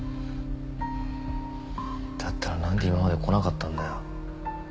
だったら何で今まで来なかったんだよ。